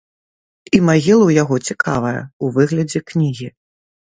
І магіла ў яго цікавая, у выглядзе кнігі.